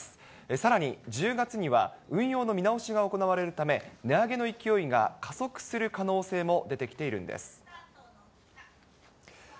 さらに１０月には、運用の見直しが行われるため、値上げの勢いが加速する可能性も出てきているんです。